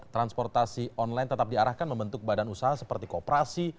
transportasi online tetap diarahkan membentuk badan usaha seperti kooperasi